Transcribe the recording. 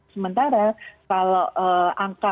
karena kalau angka